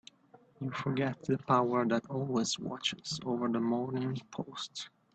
You forget the power that always watches over the Morning Post.